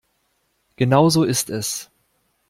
Genau so ist es.